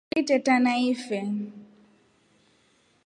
Ngili teta na ifee.